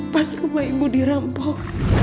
pas rumah ibu dirampok